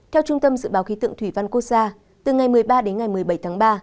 theo trung tâm dự báo khí tượng thủy văn quốc gia từ ngày một mươi ba đến ngày một mươi bảy tháng ba